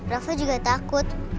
rafa juga takut